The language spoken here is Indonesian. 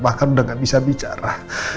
bahkan udah gak bisa bicara